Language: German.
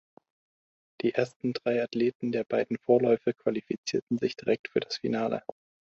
Die ersten drei Athleten der beiden Vorläufe qualifizierten sich direkt für das Finale.